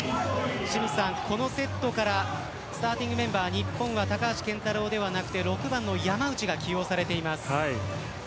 このセットからスターティングメンバー日本は高橋健太郎ではなくて６番の山内が起用されています。